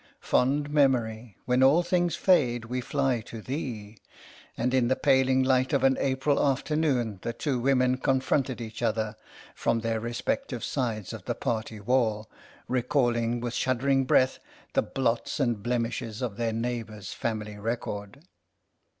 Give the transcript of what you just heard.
" Fond memory, when all things fade we fly to thee," and in the paling light of an April afternoon the two women confronted each other from their respective sides of the party wall, recalling with shuddering breath the blots and blemishes of their neighbour's family record.